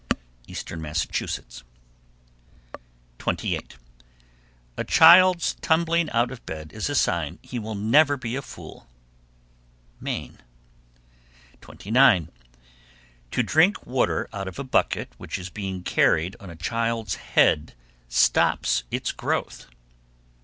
Eastern Massachusetts. 28. A child's tumbling out of bed is a sign he will never be a fool. Maine. 29. To drink water out of a bucket which is being carried on a child's head stops its growth.